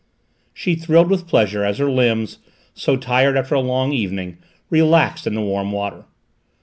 She thrilled with pleasure as her limbs, so tired after a long evening, relaxed in the warm water.